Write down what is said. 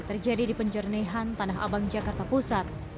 terjadi di penjernihan tanah abang jakarta pusat